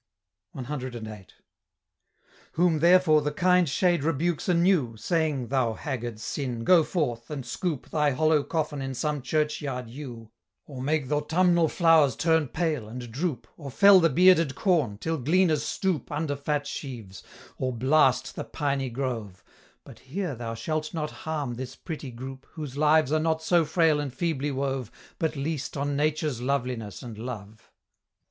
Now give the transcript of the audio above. CVIII. Whom, therefore, the kind Shade rebukes anew, Saying, "Thou haggard Sin, go forth, and scoop Thy hollow coffin in some churchyard yew, Or make th' autumnal flow'rs turn pale, and droop; Or fell the bearded corn, till gleaners stoop Under fat sheaves, or blast the piny grove; But here thou shall not harm this pretty group, Whose lives are not so frail and feebly wove, But leased on Nature's loveliness and love."